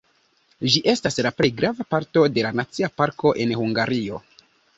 Ĝi estas la plej grava parto de nacia parko en Hungario.